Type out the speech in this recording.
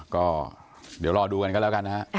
ก็เดี๋ยวรอดูกันก็แล้วกันนะฮะ